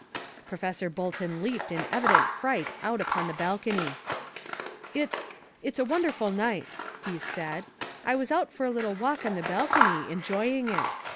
Professor Bolton leaped in evident fright out upon the balcony. "It's it's a wonderful night," he said. "I was out for a little walk on the balcony, enjoying it.